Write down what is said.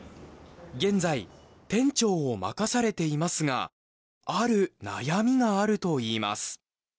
現在店長を任されていますがある悩みがあるといいます。